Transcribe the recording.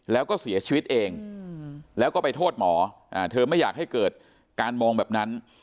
แล้วก็เสียชีวิตเองแล้วก็ไปโทษหมอเธอไม่อยากให้เกิดการมองแบบนั้น